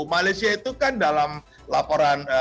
malaysia itu kan dalam laporan